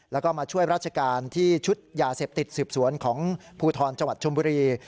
แล้วก็มาช่วยราชการที่ชุดยาเสพติดสืบสวนของภูทรจังหวัดชมบุรี